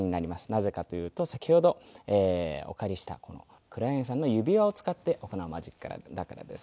なぜかというと先ほどお借りしたこの黒柳さんの指輪を使って行うマジックだからです。